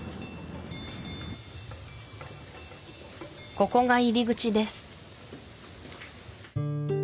ここが入り口です